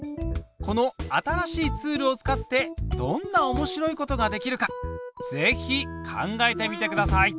この新しいツールを使ってどんなおもしろいことができるかぜひ考えてみてください！